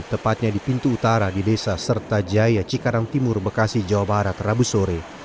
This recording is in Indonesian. tepatnya di pintu utara di desa serta jaya cikarang timur bekasi jawa barat rabu sore